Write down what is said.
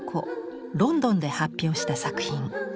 ロンドンで発表した作品。